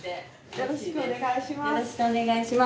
よろしくお願いします。